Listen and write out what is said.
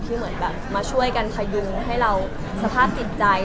เหมือนแบบมาช่วยกันพยุงให้เราสภาพจิตใจ